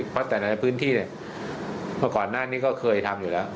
เพราะแต่ในพื้นที่เนี่ยเมื่อก่อนหน้านี้ก็เคยทำอยู่แล้ว